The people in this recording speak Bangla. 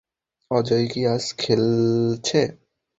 অজয় কি আজ খেলছে?